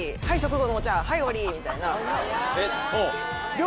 みたいな。